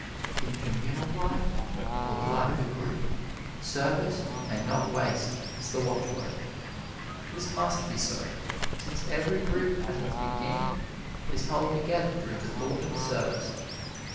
In communal life, or the life of a group, service and not waste is the watchword. This must be so, since every group, at its beginning, is held together through the thought of service.